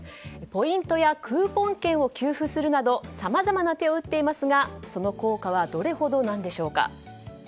ポイントやクーポン券を給付するなどさまざまな手を打っていますがその効果はどれほどなんでしょうか。